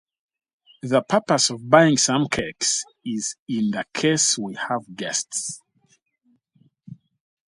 The purpose of buying some cakes is in case we have guests.